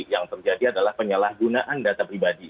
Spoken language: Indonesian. yang terjadi adalah penyalahgunaan data pribadi